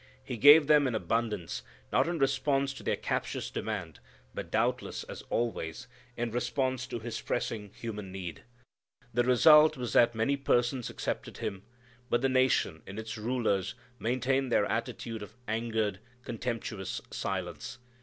He gave them in abundance, not in response to their captious demand, but doubtless, as always, in response to pressing human needs. The result was that many persons accepted Him, but the nation in its rulers, maintained their attitude of angered, contemptuous silence.